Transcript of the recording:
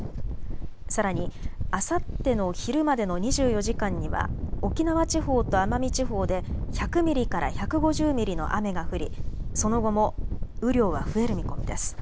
さらにあさっての昼までの２４時間には沖縄地方と奄美地方で１００ミリから１５０ミリの雨が降り、その後も雨量は増える見込みです。